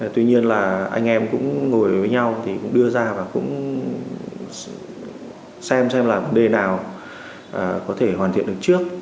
tuy nhiên là anh em cũng ngồi với nhau thì cũng đưa ra và cũng xem xem là vấn đề nào có thể hoàn thiện được trước